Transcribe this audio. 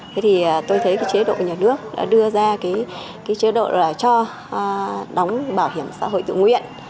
thế thì tôi thấy cái chế độ nhà nước đã đưa ra cái chế độ là cho đóng bảo hiểm xã hội tự nguyện